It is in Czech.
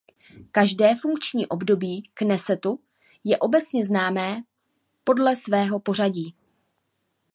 Každé funkční období Knesetu je obecně známé podle svého pořadí.